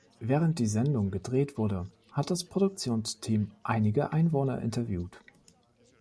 Während die Sendung gedreht wurde, hat das Produktionsteam einige Einwohner interviewt.